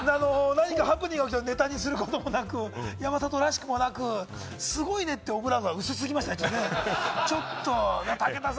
何かハプニングが起きたことをネタにすることもなく、山里らしくもなく、「すごいね」って、オブラートが薄すぎましたね。